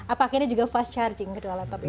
apakah ini juga fast charging kedua laptop ini